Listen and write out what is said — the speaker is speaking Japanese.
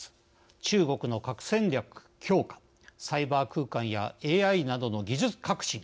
中国の核戦力強化サイバー空間やＡＩなどの技術革新。